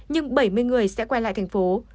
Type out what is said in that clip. nhưng bảy mươi người sẽ quay lại thành phố